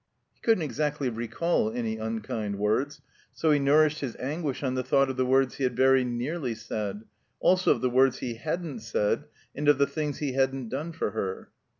He couldn't exactly recall any unkind words; so he nourished his anguish on the thought of the words he had very nearly said, also of the words he hadn't said, and of the things he hadn't done for her.